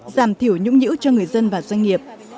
giảm thiểu nhũng nhũ cho người dân và doanh nghiệp